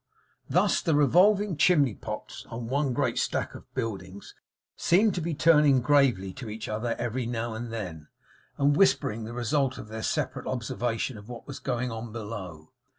Thus, the revolving chimney pots on one great stack of buildings seemed to be turning gravely to each other every now and then, and whispering the result of their separate observation of what was going on below.